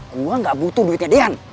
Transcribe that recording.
gue gak butuh duitnya dean